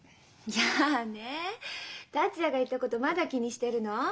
達也が言ったことまだ気にしてるの？